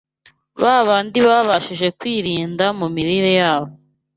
ba bandi babashije kwirinda mu mirire yabo